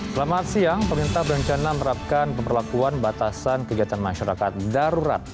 selamat siang pemerintah berencana menerapkan pemberlakuan batasan kegiatan masyarakat darurat